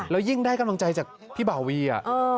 แล้วยิ่งได้กำลังใจจากพี่บ่าวี